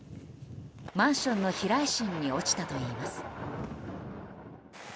マンションの避雷針に落ちたといいます。